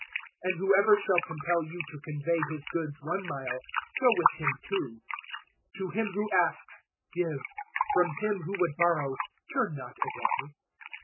005:041 And whoever shall compel you to convey his goods one mile, go with him two. 005:042 To him who asks, give: from him who would borrow, turn not away.